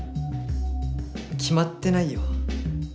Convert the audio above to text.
きまってないよ。